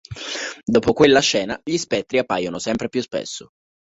Dopo quella scena, gli spettri appaiono sempre più spesso.